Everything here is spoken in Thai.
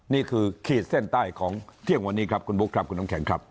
ขีดเส้นใต้ของเที่ยงวันนี้ครับคุณบุ๊คครับคุณน้ำแข็งครับ